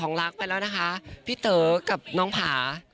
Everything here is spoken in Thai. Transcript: จริงแหนะ